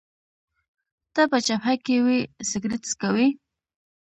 ته په جبهه کي وې، سګرېټ څکوې؟